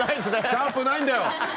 シャンプーないんだよ！